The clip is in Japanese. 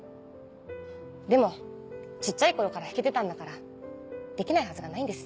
でも小っちゃい頃から弾けてたんだからできないはずがないんです。